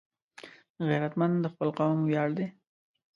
غیرتمند د خپل قوم ویاړ دی